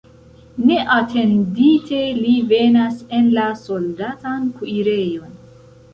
Neatendite li venas en la soldatan kuirejon.